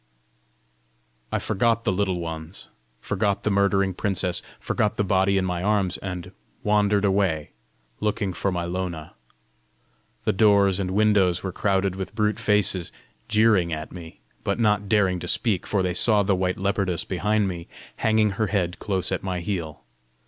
I forgot the Little Ones, forgot the murdering princess, forgot the body in my arms, and wandered away, looking for my Lona. The doors and windows were crowded with brute faces jeering at me, but not daring to speak, for they saw the white leopardess behind me, hanging her head close at my heel.